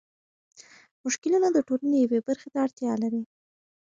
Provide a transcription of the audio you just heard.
مشکلونه د ټولنې یوې برخې ته اړتيا لري.